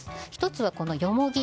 １つはヨモギ。